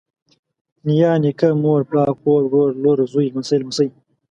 نيا، نيکه، مور، پلار، خور، ورور، لور، زوى، لمسۍ، لمسى